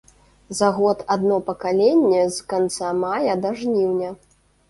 За год адно пакаленне з канца мая да жніўня.